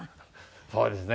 そうですね。